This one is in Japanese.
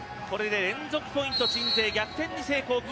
これで連続ポイント鎮西、逆転に成功。